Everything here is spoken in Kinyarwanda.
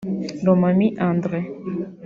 Lomami Andre